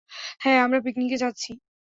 হ্যাঁ আমরা পিকনিকে যাচ্ছি।